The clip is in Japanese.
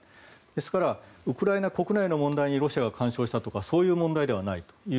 ですから、ウクライナ国内の問題にロシアが干渉したとかそういう問題ではないと。